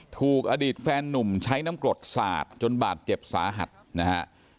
ถูกอดีตแฟนนุ่มใช้น้ำกรดสาดจนบาดเจ็บสาหัสนะฮะ